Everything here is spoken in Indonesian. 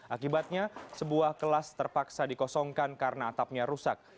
akibatnya sebuah kelas terpaksa dikosongkan karena atapnya rusak